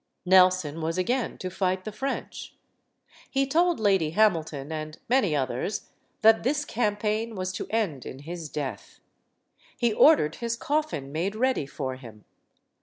Nelson was again to fight the French. He told Lady Hamilton and many others that this campaign was to end in his death. He ordered his coffin made ready for him.